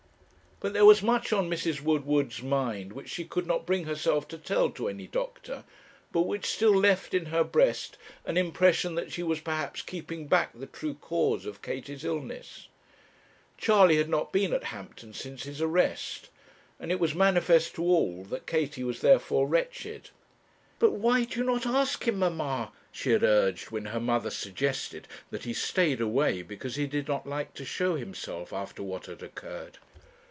But there was much on Mrs. Woodward's mind which she could not bring herself to tell to any doctor, but which still left in her breast an impression that she was perhaps keeping back the true cause of Katie's illness. Charley had not been at Hampton since his arrest, and it was manifest to all that Katie was therefore wretched. 'But why do you not ask him, mamma?' she had urged when her mother suggested that he stayed away because he did not like to show himself after what had occurred.